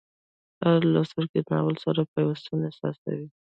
هر لوستونکی له ناول سره پیوستون احساسوي.